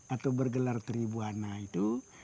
atau bergelar tribuana itu